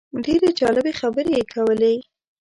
ډېرې جالبې خبرې یې کولې.